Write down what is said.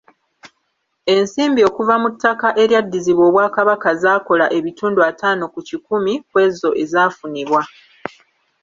Ensimbi okuva mu ttaka eryaddizibwa Obwakabaka zaakola ebitundu ataano ku kikumi ku ezo ezaafunibwa.